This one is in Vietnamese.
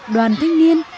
đoàn thanh niên